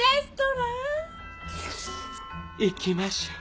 行きましょう。